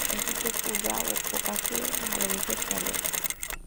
এদিকে "পূজা"ও "খোকা"কে ভালবেসে ফেলে।